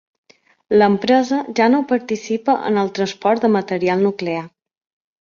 L'empresa ja no participa en el transport de material nuclear.